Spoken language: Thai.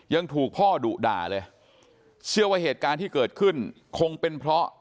ยังถูกพ่อดุด่าเลยเชื่อว่าเหตุการณ์ที่เกิดขึ้นคงเป็นเพราะ